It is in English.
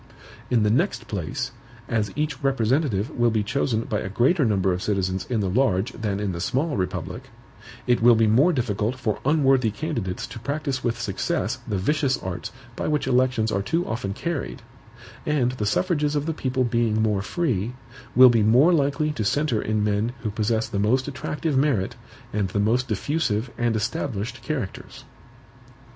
In the next place, as each representative will be chosen by a greater number of citizens in the large than in the small republic, it will be more difficult for unworthy candidates to practice with success the vicious arts by which elections are too often carried; and the suffrages of the people being more free, will be more likely to centre in men who possess the most attractive merit and the most diffusive and established characters.